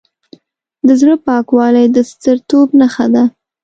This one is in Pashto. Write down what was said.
د زړه پاکوالی د سترتوب نښه ده.